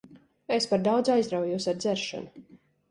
Es par daudz aizraujos ar dzeršanu.